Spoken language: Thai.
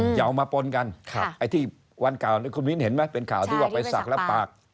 เหยามาปนกันไอ้ที่วันก่อนคุณวิ้นเห็นไหมเป็นข่าวที่บอกไปสักแล้วปาก